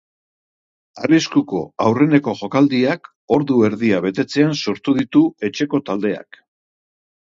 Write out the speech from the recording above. Arriskuko aurreneko jokaldiak ordu erdia betetzean sortu ditu etxeko taldeak.